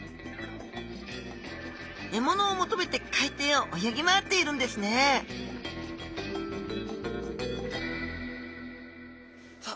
えものを求めて海底を泳ぎ回っているんですねさあ